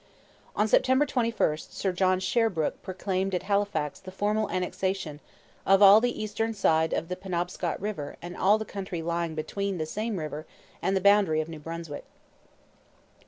On September 21 Sir John Sherbrooke proclaimed at Halifax the formal annexation of 'all the eastern side of the Penobscot river and all the country lying between the same river and the boundary of New Brunswick.'